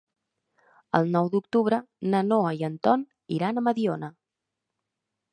El nou d'octubre na Noa i en Ton iran a Mediona.